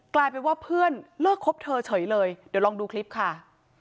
กลายเป็นว่าเพื่อนเลิกคบเธอเฉยเลยเดี๋ยวลองดูคลิปค่ะ